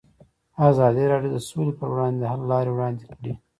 ازادي راډیو د سوله پر وړاندې د حل لارې وړاندې کړي.